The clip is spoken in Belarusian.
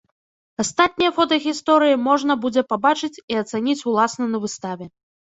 Астатнія фотагісторыі можна будзе пабачыць і ацаніць уласна на выставе.